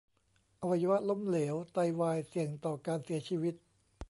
อวัยวะล้มเหลว ไตวาย เสี่ยงต่อการเสียชีวิต